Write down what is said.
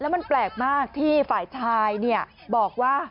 แล้วมันแปลกมากที่ฝ่ายเช้าบอกว่า